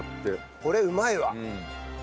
これうまいわ！